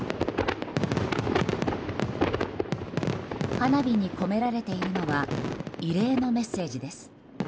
花火に込められているのは慰霊のメッセージです。